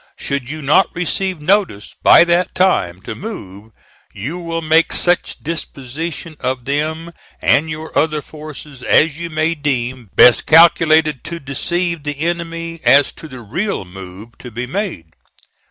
Should you not receive notice by that time to move, you will make such disposition of them and your other forces as you may deem best calculated to deceive the enemy as to the real move to be made.